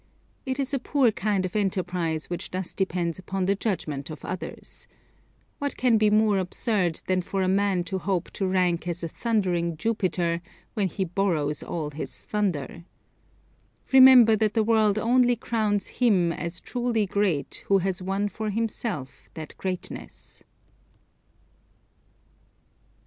It is a poor kind of enterprise which thus depends upon the judgment of others. What can be more absurd than for a man to hope to rank as a thundering Jupiter when he borrows all his thunder. Remember that the world only crowns him as truly great who has won for himself that greatness.